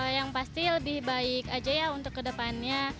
yang pasti lebih baik aja ya untuk kedepannya